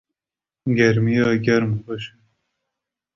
gêrmiya germ xweş e